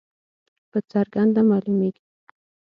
په څرګنده معلومیږي.